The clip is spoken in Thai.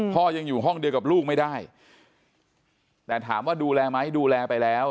พ่อยังอยู่ห้องเดียวกับลูกไม่ได้แต่ถามว่าดูแลไหมดูแลไปแล้ว